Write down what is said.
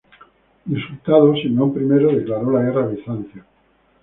Insultado, Simeón I declaró la guerra a Bizancio.